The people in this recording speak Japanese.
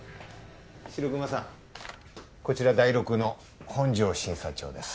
白熊さんこちらダイロクの本庄審査長です。